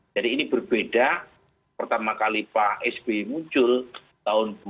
jadi ini berbeda pertama kali pak spi muncul tahun dua ribu empat